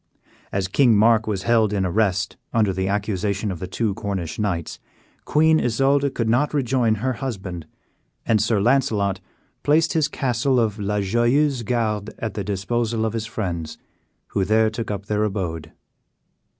As King Mark was held in arrest under the accusation of the two Cornish knights, Queen Isoude could not rejoin her husband, and Sir Launcelot placed his castle of La Joyeuse Garde at the disposal of his friends, who there took up their abode.